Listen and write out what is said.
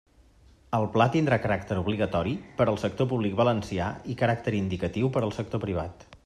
El pla tindrà caràcter obligatori per al sector públic valencià i caràcter indicatiu per al sector privat.